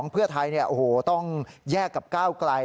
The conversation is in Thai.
๒เพื่อไทยเนี่ยโอ้โหต้องแยกกับก้าวกลาย